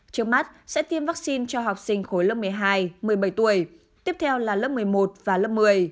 trước mắt sẽ tiêm vaccine cho học sinh khối lớp một mươi hai một mươi bảy tuổi tiếp theo là lớp một mươi một và lớp một mươi